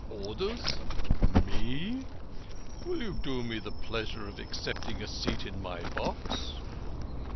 " Orders ? Me ? Will you do me the pleasure of accept ing a seat in my box?"